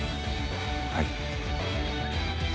はい。